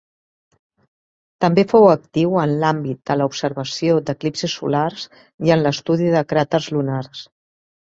També fou actiu en l'àmbit de l'observació d'eclipsis solars i en l'estudi de cràters lunars.